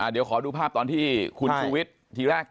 เดี๋ยวขอดูภาพตอนที่คุณคุศวิช